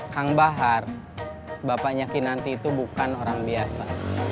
kang bahar bapaknya kinanti itu bukan orang biasa